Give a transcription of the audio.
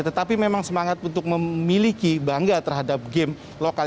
tetapi memang semangat untuk memiliki bangga terhadap game lokal